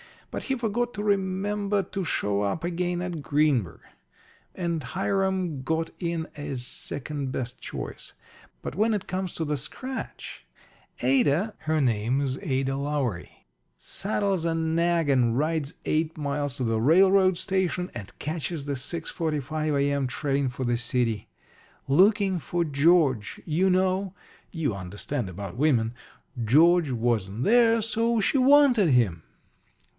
But he forgot to remember to show up again at Greenburg, and Hiram got in as second best choice. But when it comes to the scratch Ada her name's Ada Lowery saddles a nag and rides eight miles to the railroad station and catches the 6.45 A.M. train for the city. Looking for George, you know you understand about women George wasn't there, so she wanted him.